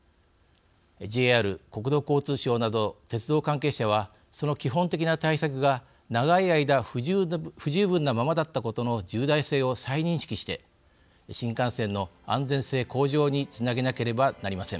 ＪＲ、国土交通省など鉄道関係者は、その基本的な対策が長い間不十分なままだったことの重大性を再認識して新幹線の安全性向上につなげなければなりません。